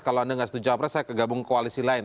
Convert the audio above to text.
kalau anda nggak setuju cawapres saya kegabung koalisi lain